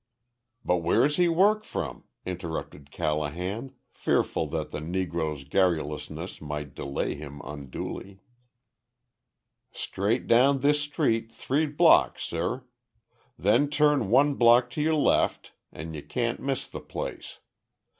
"But where's he work from?" interrupted Callahan, fearful that the negro's garrulousness might delay him unduly. "Straight down this street three blocks, suh. Then turn one block to yo' left and yo' cain't miss the place.